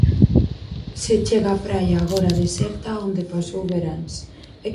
Se chega á praia agora deserta onde pasou veráns